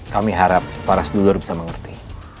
kami harap para studer bisa mengerti